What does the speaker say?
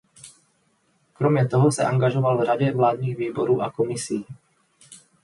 Kromě toho se angažoval v řadě vládních výborů a komisí.